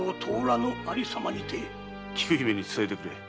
菊姫に伝えてくれ。